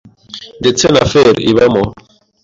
ndetse na Fer ibamo